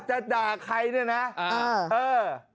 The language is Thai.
จะด่าใครเนี่ยนะเออ